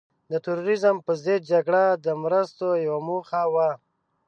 د تروریزم په ضد جګړه د مرستو یوه موخه وه.